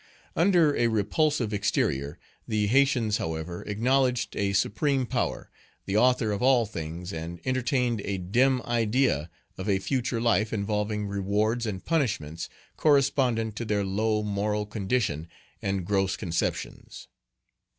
Under a repulsive exterior, the Haytians, however, acknowledged a supreme power, the Author of all things, and entertained a dim idea of a future life, involving rewards and punishments correspondent to their low moral condition and gross conceptions.